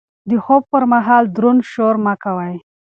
د خوب پر مهال دروند شور مه کوئ.